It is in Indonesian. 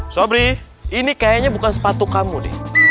sobri ini kayaknya bukan sepatu kamu nih